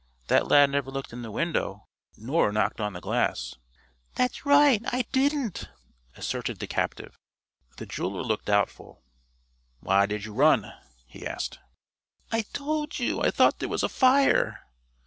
That lad never looked in the window, nor knocked on the glass." "That's right I didn't," asserted the captive. The jeweler looked doubtful. "Why did you run?" he asked. "I told you, I thought there was a fire."